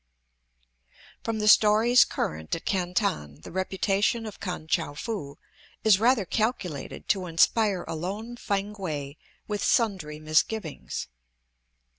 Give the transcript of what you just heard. From the stories current at Canton, the reputation of Kan tchou foo is rather calculated to inspire a lone Fankwae with sundry misgivings.